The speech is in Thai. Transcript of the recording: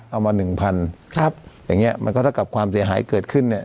เอามาหนึ่งพันครับอย่างเงี้ยมันก็เท่ากับความเสียหายเกิดขึ้นเนี่ย